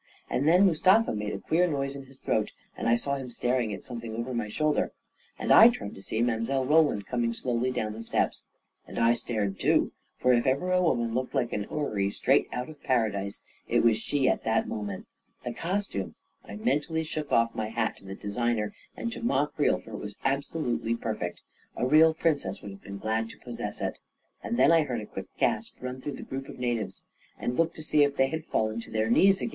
And then Mustafa made a queer noise in his throat, and I saw him staring at something over my shoulder, and I turned to see Mile. Roland coming slowly down the steps. And I stared, too, for if ever a woman looked like an houri straight out of Paradise, it was she at that moment ! The costume — I mentally took off my hat to the designer and to Ma Creel, for it was absolutely perfect. A real Princess would have been glad to possess it I And then I heard a quick gasp run through the group of natives, and looked to see if they had fallen to their knees again